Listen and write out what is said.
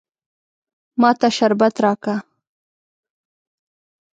ما ته شربت راکه.